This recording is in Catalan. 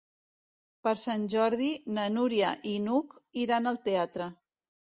Per Sant Jordi na Núria i n'Hug iran al teatre.